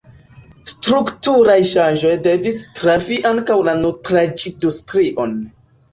Strukturaj ŝanĝoj devis trafi ankaŭ la nutraĵindustrion.